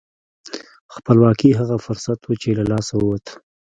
خپلواکي هغه فرصت و چې له لاسه ووت.